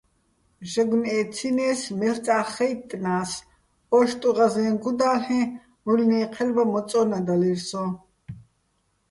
ჟაგნო̆ ე́ცინეს, მელ'წა́ხ ხაჲტტნა́ს, ო́შტუჼ ღაზეჼ გუდა́ლ'ე, მუჲლნე́ჴელბა მოწო́ნადალირ სოჼ.